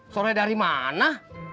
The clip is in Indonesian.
sore dari mana